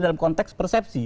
dalam konteks persepsi